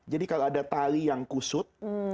jadi kalau ada tali yang kusut